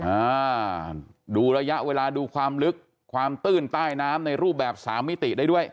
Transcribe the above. อ่าดูระยะเวลาดูความลึกความตื้นใต้น้ำในรูปแบบสามมิติได้ด้วย